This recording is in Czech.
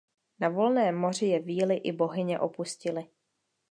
Na volném moři je víly i bohyně opustily.